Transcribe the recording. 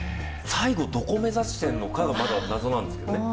最後、どこ目指してるのかがまだ謎なんですよね。